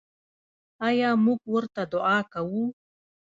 آیا موږ ورته دعا کوو؟